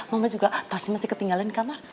mama juga pasti masih ketinggalan di kamar